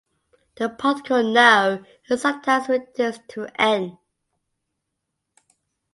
The particle "no" is sometimes reduced to "n".